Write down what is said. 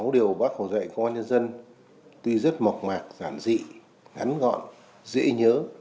sáu điều bác hồ dạy công an nhân dân tuy rất mộc mạc giản dị ngắn gọn dễ nhớ